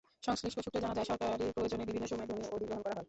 সংশ্লিষ্ট সূত্রে জানা যায়, সরকারি প্রয়োজনে বিভিন্ন সময় ভূমি অধিগ্রহণ করা হয়।